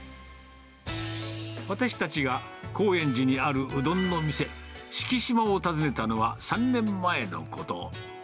私たちが高円寺にあるうどんの店、敷島を訪ねたのは３年前のこと。